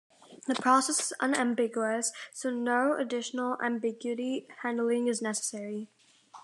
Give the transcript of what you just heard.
The process is unambiguous, so no additional ambiguity handling is necessary.